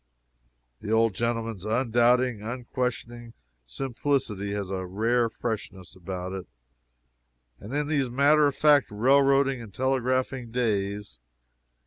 The old gentleman's undoubting, unquestioning simplicity has a rare freshness about it in these matter of fact railroading and telegraphing days.